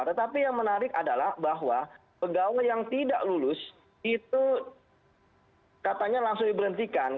tetapi yang menarik adalah bahwa pegawai yang tidak lulus itu katanya langsung diberhentikan